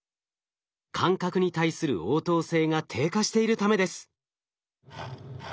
感覚に対する応答性が低下しているためです。